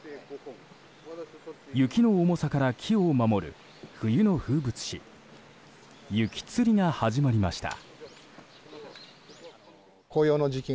雪の重さから木を守る冬の風物詩雪つりが始まりました。